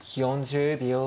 ４０秒。